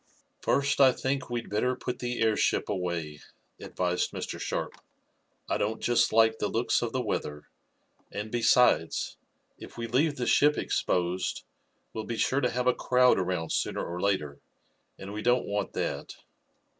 "First I think we'd better put the airship away," advised Mr. Sharp. "I don't just like the looks of the weather, and, besides, if we leave the ship exposed we'll be sure to have a crowd around sooner or later, and we don't want that."